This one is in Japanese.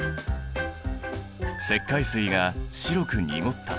石灰水が白く濁った。